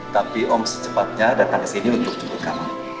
tapi om secepatnya datang ke sini untuk menjemput kamu